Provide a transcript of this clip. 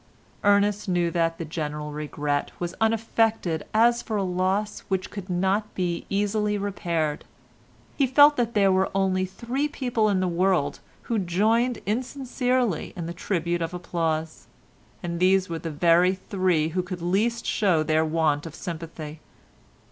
Ernest knew that the general regret was unaffected as for a loss which could not be easily repaired. He felt that there were only three people in the world who joined insincerely in the tribute of applause, and these were the very three who could least show their want of sympathy.